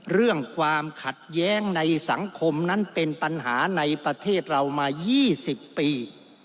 เรื่องความขัดแย้งในสังคมนั้นเป็นปัญหาในประเทศเรามา๒๐ปี